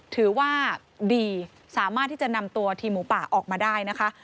ถือว่าดีสามารถที่จะนำตัวทีมหมูป่าออกมาได้นะคะ